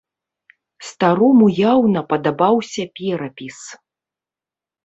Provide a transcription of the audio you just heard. Старому яўна падабаўся перапіс.